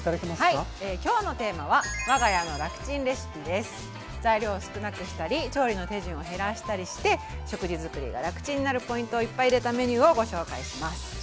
はい今日のテーマは材料を少なくしたり調理の手順を減らしたりして食事作りが楽チンになるポイントをいっぱい入れたメニューをご紹介します。